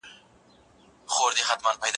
په قرآني قصو سره صبر او استقامت ته تشويقيږي.